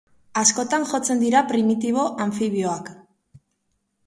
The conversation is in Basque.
Askotan jotzen dira primitibo anfibioak.